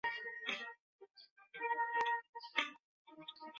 还有一个优点是燃气循环的涡轮机寿命更长更可靠。